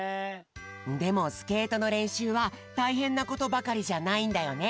でもスケートのれんしゅうはたいへんなことばかりじゃないんだよね？